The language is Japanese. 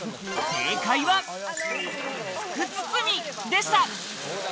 正解は福包でした。